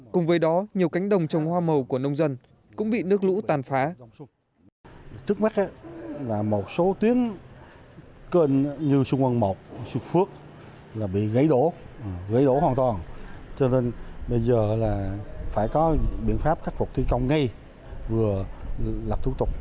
cùng với đó nhiều cánh đồng trồng hoa màu của nông dân cũng bị nước lũ tàn phá